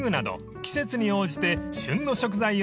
季節に応じて旬の食材を扱います］